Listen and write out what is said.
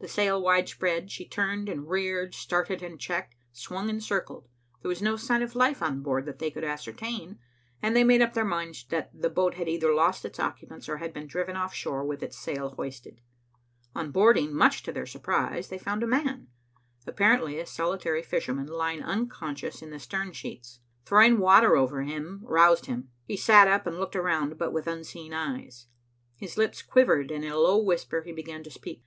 The sail widespread, she turned and reared, started and checked, swung and circled. There was no sign of life on board that they could ascertain, and they made up their minds that the boat had either lost its occupants or had been driven offshore with its sail hoisted. On boarding, much to their surprise, they found a man, apparently a solitary fisherman, lying unconscious in the stern sheets. Throwing water over him roused him. He sat up and looked around, but with unseeing eyes. His lips quivered, and in a low whisper he began to speak.